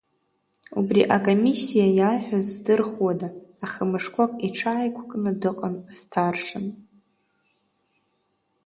Убри акомиссиа иарҳәаз здырхуада, аха мшқәак иҽааиқәыкны дыҟан асҭаршын.